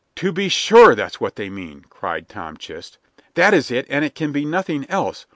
"To be sure that's what they mean!" cried Tom Chist. "That is it, and it can be nothing else.